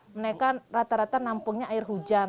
mereka rata rata nampungnya air hujan